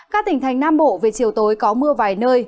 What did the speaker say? các tỉnh thành nam bộ về chiều tối có mưa vài nơi